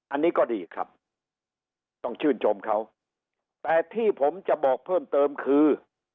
อันนี้ก็ดีครับต้องชื่นชมเขาแต่ที่ผมจะบอกเพิ่มเติมคือ